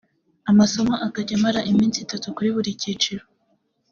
amasomo akajya amara iminsi itatu kuri buri cyiciro